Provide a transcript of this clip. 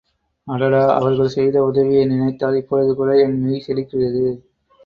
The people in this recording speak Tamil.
அடடா அவர்கள் செய்த உதவியை நினைத்தால் இப்பொழுதுகூட என் மெய்சிலிர்க்கிறது.